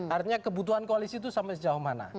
artinya kebutuhan koalisi itu sampai sejauh mana